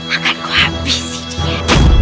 akan kuhabisi dia